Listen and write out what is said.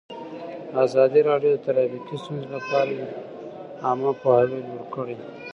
ازادي راډیو د ټرافیکي ستونزې لپاره عامه پوهاوي لوړ کړی.